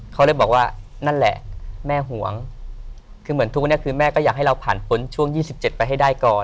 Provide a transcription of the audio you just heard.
เขาเลยบอกว่านั่นแหละแม่ห่วงคือเหมือนทุกวันนี้คือแม่ก็อยากให้เราผ่านพ้นช่วง๒๗ไปให้ได้ก่อน